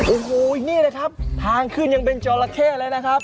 โอ้โหนี่เลยครับทางขึ้นยังเป็นจอละเข้เลยนะครับ